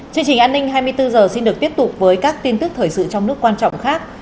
chương trình an ninh hai mươi bốn h xin được tiếp tục với các tin tức thời sự trong nước quan trọng khác